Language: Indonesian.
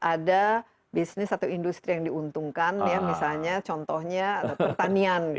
ada bisnis atau industri yang diuntungkan ya misalnya contohnya pertanian